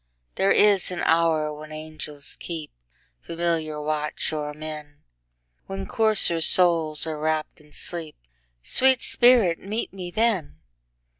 There is an hour when angels keepFamiliar watch o'er men, When coarser souls are wrapp'd in sleep—Sweet spirit, meet me then!